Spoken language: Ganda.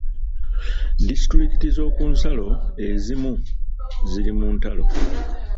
Disitulikiti z'okunsalo ezimu ziri mu ntalo.